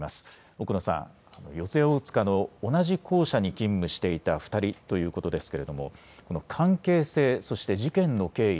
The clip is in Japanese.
奥野さん、四谷大塚の同じ校舎に勤務していた２人ということですけれどもこの関係性そして事件の経緯